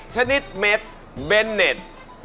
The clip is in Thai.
เจนเน็ต